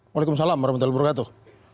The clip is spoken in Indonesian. waalaikumsalam warahmatullahi wabarakatuh